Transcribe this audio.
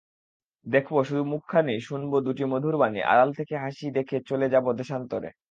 দেখব শুধু মুখখানি শুনব দুটি মধুর বাণী আড়াল থেকে হাসি দেখে চলে যাব দেশান্তরে।